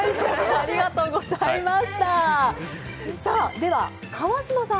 ありがとうございます！